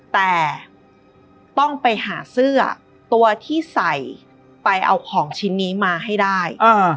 แต่ต้องไปหาเสื้อตัวที่ใส่ไปเอาของชิ้นนี้มาให้ได้